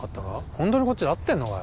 ほんとにこっちで合ってんのかよ。